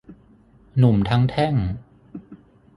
หนุ่มทั้งแท่ง